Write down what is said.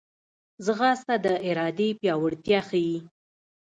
ځغاسته د ارادې پیاوړتیا ښيي